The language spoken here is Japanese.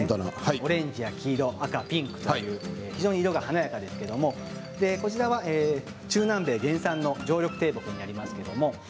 オレンジや黄色赤、ピンク非常に色が華やかですけどもこちらは、中南米原産の常緑低木です。